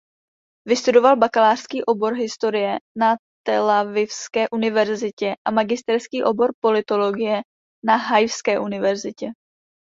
Vystudoval bakalářský obor historie na Telavivské univerzitě a magisterský obor politologie na Haifské univerzitě.